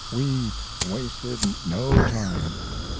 We wasted no time.